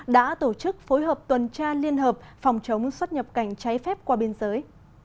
đã tổ chức phối hợp tuần tra liên hợp phòng chống xuất nhập cảnh trái phép qua biên giới